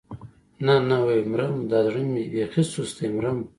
نه نه ويح مرم دا زړه مې بېخي سست دی مرم.